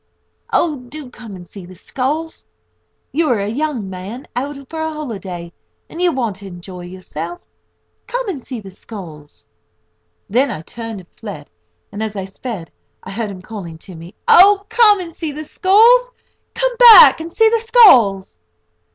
Oh, do come and see the skulls! You are a young man out for a holiday, and you want to enjoy yourself. Come and see the skulls!" Then I turned and fled, and as I sped I heard him calling to me: "Oh, come and see the skulls; come back and see the skulls!"